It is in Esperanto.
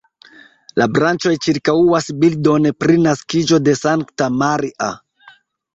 La branĉoj ĉirkaŭas bildon pri naskiĝo de Sankta Maria.